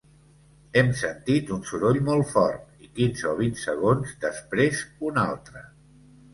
Hem sentit un soroll molt fort i quinze o vint segons després un altre.